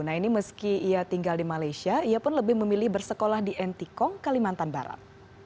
nah ini meski ia tinggal di malaysia ia pun lebih memilih bersekolah di ntkong kalimantan barat